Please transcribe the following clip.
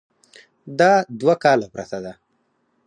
دا دوه کاله پرته ده.